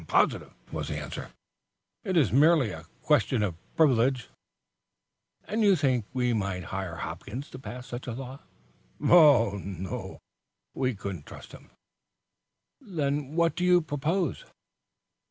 "I am positive," was the answer. "It is merely a question of privilege." "And you think we might hire Hopkins to pass such a law?" "No; we couldn't trust him." "Then what do you propose?"